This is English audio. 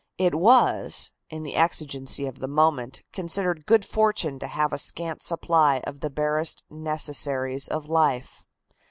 It was, in the exigency of the moment, considered good fortune to have a scant supply of the barest necessaries of life.